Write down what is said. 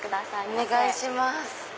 お願いします。